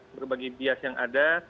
berbagai bias yang ada